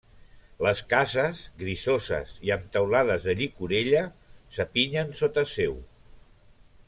Les cases, grisoses i amb teulades de llicorella, s'apinyen sota seu.